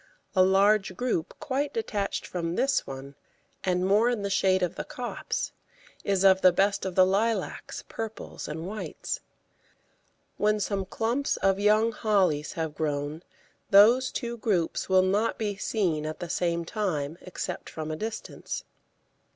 A large group, quite detached from this one, and more in the shade of the copse, is of the best of the lilacs, purples, and whites. When some clumps of young hollies have grown, those two groups will not be seen at the same time, except from a distance.